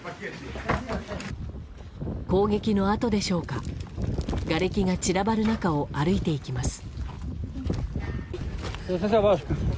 攻撃の跡でしょうかがれきが散らばる中を歩いていきます。